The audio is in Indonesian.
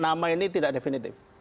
nama ini tidak definitif